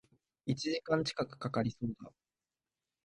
一時間近く掛かりそうだ